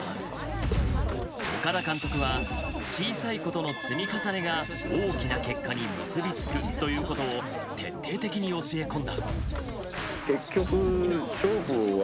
岡田監督は小さいことの積み重ねが大きな結果に結びつくということを徹底的に教え込んだ。